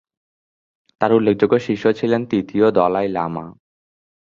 তার উল্লেখযোগ্য শিষ্য ছিলেন তৃতীয় দলাই লামা।